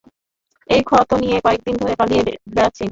এই ক্ষত নিয়ে কয়েকদিন ধরে পালিয়ে বেড়াচ্ছি।